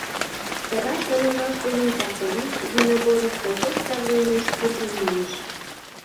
Тыгай шонымаш дене тракторист Виногоров колхоз правленийыш куржын мийыш.